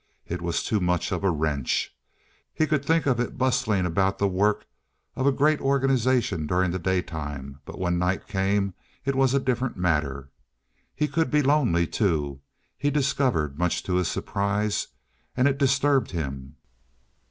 It was too much of a wrench. He could think of it bustling about the work of a great organization during the daytime, but when night came it was a different matter. He could be lonely, too, he discovered much to his surprise, and it disturbed him.